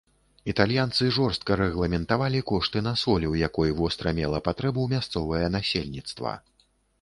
Італьянцы жорстка рэгламентавалі кошты на соль, у якой востра мела патрэбу мясцовае насельніцтва.